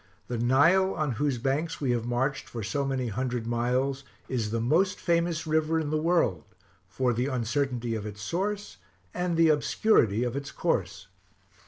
The Nile, on whose banks we have marched for so many hundred miles, is the most famous river in the world, for the uncertainty of its source and the obscurity of its course.